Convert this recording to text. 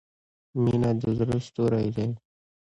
• مینه د زړۀ ستوری دی.